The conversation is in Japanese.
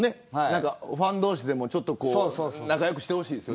ファン同士でも仲良くしてほしいです。